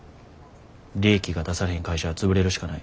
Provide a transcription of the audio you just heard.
利益が出されへん会社は潰れるしかない。